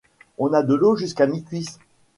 On a de l’eau jusqu’à mi-cuisses.